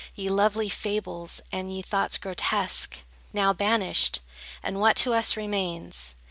Ye lovely fables, and ye thoughts grotesque, Now banished! And what to us remains?